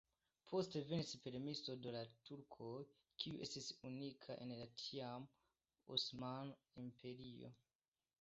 Poste venis permeso de la turkoj, kiu estis unika en la tiama Osmana Imperio.